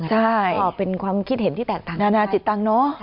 ใช่ก็เป็นความคิดเห็นที่แตกต่างนานาจิตตังค์เนอะ